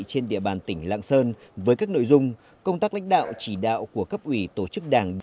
trên địa bàn tỉnh lạng sơn với các nội dung công tác lãnh đạo chỉ đạo của cấp ủy tổ chức đảng